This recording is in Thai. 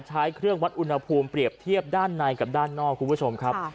ใช้เครื่องวัดอุณหภูมิเปรียบเทียบด้านในกับด้านนอกคุณผู้ชมครับ